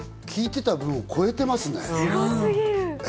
その聞いてた分を超えてますね。